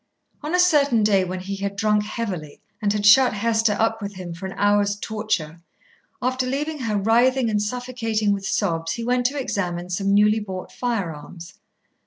On a certain day when he had drunk heavily and had shut Hester up with him for an hour's torture, after leaving her writhing and suffocating with sobs, he went to examine some newly bought firearms.